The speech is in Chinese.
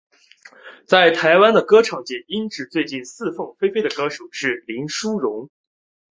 在台湾的歌唱界音质最近似凤飞飞的女歌手是林淑容。